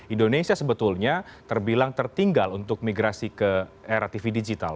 indonesia sebetulnya terbilang tertinggal untuk migrasi ke era tv digital